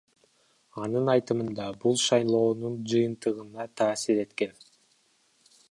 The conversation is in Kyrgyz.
Анын айтымында, бул шайлоонун жыйынтыгына таасир эткен.